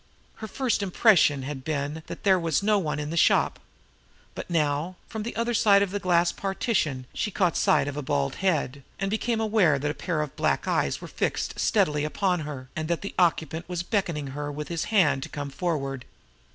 Her first impression had been that there was no one in the shop, but now, from the other side of the glass partition, she caught sight of a bald head, and became aware that a pair of black eyes were fixed steadily upon her, and that the occupant was beckoning to her with his hand to come forward.